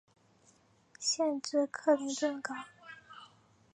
县治克林顿港。